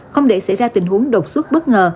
không để xảy ra tình huống đột xuất bất ngờ